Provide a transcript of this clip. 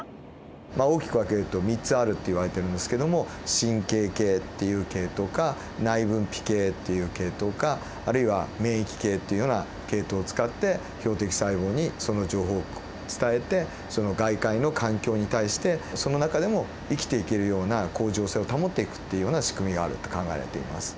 まあ大きく分けると３つあるっていわれてるんですけども神経系っていう系統か内分泌系っていう系統かあるいは免疫系っていうような系統を使って標的細胞にその情報を伝えてその外界の環境に対してその中でも生きていけるような恒常性を保っていくっていうような仕組みがあるって考えられています。